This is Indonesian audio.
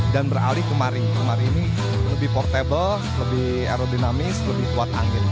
dan berari kemari kemarin ini lebih portable lebih aerodinamis lebih kuat angin